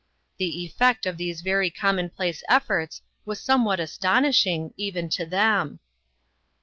The effect of these very common place efforts was somewhat astonishing, even to them.